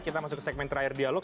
kita masuk ke segmen terakhir dialog